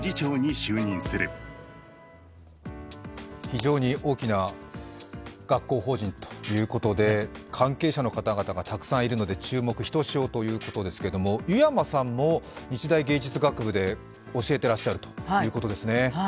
非常に大きな学校法人ということで、関係者の方々がたくさんいるので注目ひとしおということですが湯山さんも日大芸術学部で教えてらっしゃるということですね。